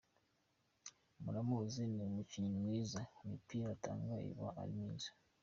Muramuzi ni umukinnyi mwiza, imipira atanga iba ari myiza.